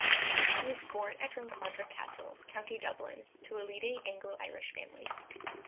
He was born at Drumcondra Castle, County Dublin, to a leading Anglo-Irish family.